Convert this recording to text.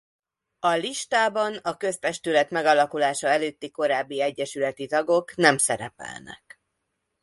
A listában a köztestület megalakulása előtti korábbi egyesületi tagok nem szerepelnek.